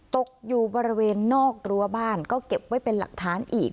ตกอยู่บริเวณนอกรั้วบ้านก็เก็บไว้เป็นหลักฐานอีก